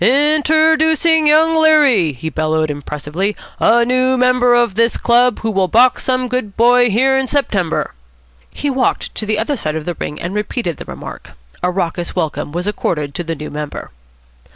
"In ter doo cin' Young Leary," he bellowed impressively, "a noo member of this chub, who will box some good boy here in September." He walked to the other side of the ring and repeated the remark. A raucous welcome was accorded to the new member.